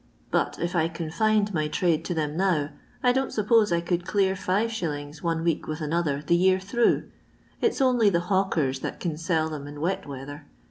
But if I confined my trade to them now, I dun t suppose I could clear hi. one week with another the year through. It 's only the hawkers that can sell them in wet weather.